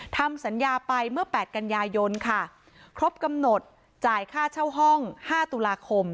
ทำสัญญาไปเมื่อ๘กันยายนค่ะครบกำหนดจ่ายค่าเช่าห้อง๕ตุลาคม